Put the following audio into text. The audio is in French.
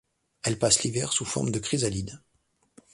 Elle passe l'hiver sous forme de chrysalide.